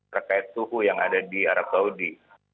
terkait suhu yang ada di arab saudi